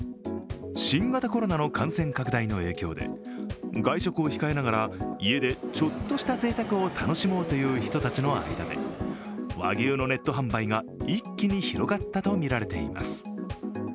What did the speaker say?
新型コロナの感染拡大の影響で外食を控えながら家でちょっとしたぜいたくを楽しもうという人たちの間で、和牛のネット販売が一気に広がったとみられています。